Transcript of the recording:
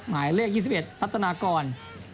หมายเลข๒๑พัฒนากร